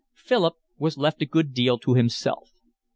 Philip was left a good deal to himself.